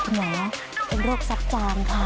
เหนือเป็นโรคทรัพย์จานค่ะ